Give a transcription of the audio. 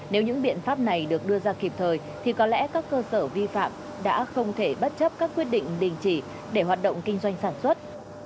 nếu những biện pháp này được đưa ra kịp thời thì có lẽ các cơ sở vi phạm đã không thể bất chấp các quyết định đình chỉ để hoạt động kinh doanh sản xuất